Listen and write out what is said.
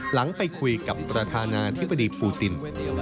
หลังไปคุยกับประธานาธิบดีปูติน